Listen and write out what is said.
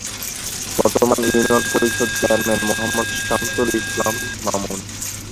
বর্তমান union Parishad chairman Mohammad Shamsul Islam Mamun.